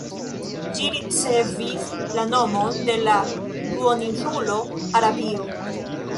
Ĝi ricevis la nomon de la duoninsulo Arabio.